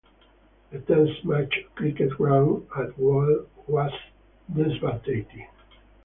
The test match cricket ground at Galle was devastated.